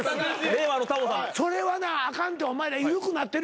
それはなあかんって。